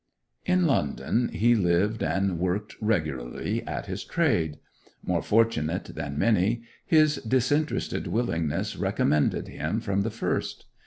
In London he lived and worked regularly at his trade. More fortunate than many, his disinterested willingness recommended him from the first.